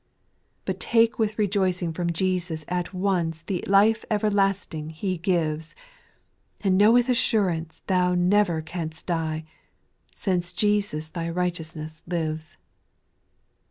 But take with rejoicing from Jesus at once The life everlasting He gives, And know with assurance thou never canst die, Since Jesus thy righteousness lives.